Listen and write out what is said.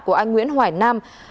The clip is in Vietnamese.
của anh nguyễn hoài nam